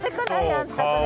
あんたこれ。